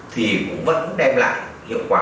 thì cũng vẫn đem lại hiệu quả